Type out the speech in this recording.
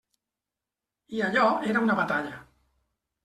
I allò era una batalla.